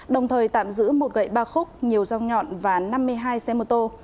đồng thời tạm giữ một gậy ba khúc nhiều rong nhọn và năm mươi hai xe mô tô